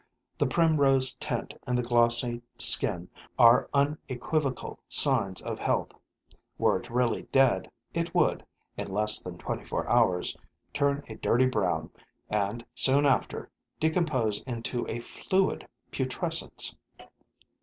The primrose tint and the glossy skin are unequivocal signs of health: Were it really dead, it would, in less than twenty four hours, turn a dirty brown and, soon after, decompose into a fluid putrescence.